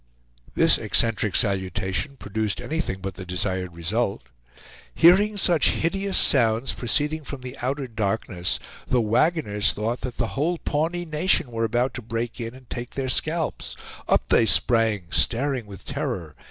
This eccentric salutation produced anything but the desired result. Hearing such hideous sounds proceeding from the outer darkness, the wagoners thought that the whole Pawnee nation were about to break in and take their scalps. Up they sprang staring with terror.